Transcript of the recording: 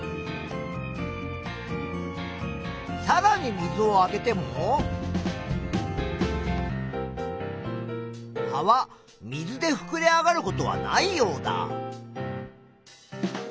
さらに水をあげても葉は水でふくれ上がることはないようだ。